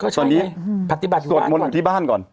ตอนนี้สวดมนตร์ที่บ้านก่อน